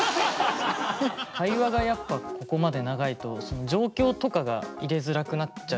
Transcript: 会話がやっぱここまで長いと状況とかが入れづらくなっちゃうんですね。